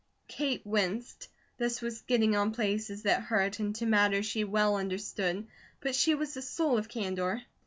Kate winced. This was getting on places that hurt and to matters she well understood, but she was the soul of candour.